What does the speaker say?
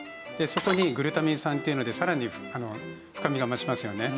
そこにグルタミン酸っていうのでさらに深みが増しますよね。